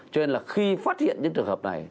cho nên là khi phát hiện những trường hợp này